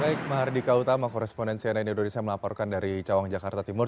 baik mahardika utama korespondensi ann indonesia melaporkan dari cawang jakarta timur